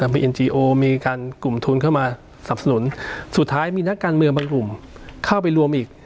มีเอ็นจีโอมีการกลุ่มทุนเข้ามาสับสนุนสุดท้ายมีนักการเมืองบางกลุ่มเข้าไปรวมอีก